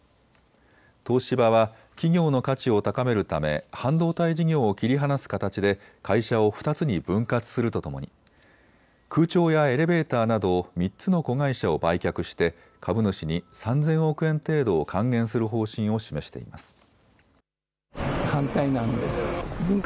東芝は企業の価値を高めるため半導体事業を切り離す形で会社を２つに分割するとともに空調やエレベーターなど３つの子会社を売却して株主に３０００億円程度を還元する方針を示しています。